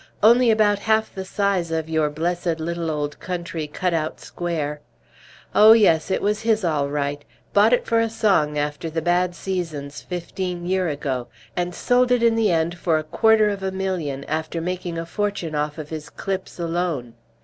Only about half the size of your blessed little old country cut out square! Oh, yes, it was his all right; bought it for a song after the bad seasons fifteen year ago, and sold it in the end for a quarter of a million, after making a fortune off of his clips alone.